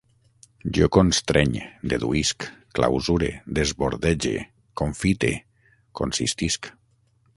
Jo constreny, deduïsc, clausure, desbordege, confite, consistisc